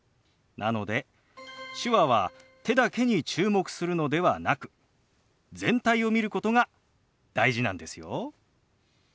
なので手話は手だけに注目するのではなく全体を見ることが大事なんですよ。